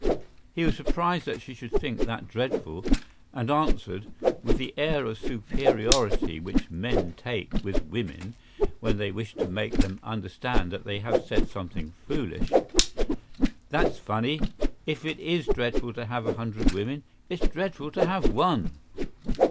He was surprised that she should think that dreadful, and answered, with the air of superiority which men take with women when they wish to make them understand that they have said something foolish: "That's funny! If it is dreadful to have a hundred women, it's dreadful to have one."